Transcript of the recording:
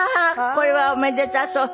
これはおめでたそう。